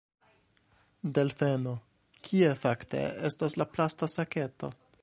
Delfeno: "Kie fakte estas la plasta saketo?"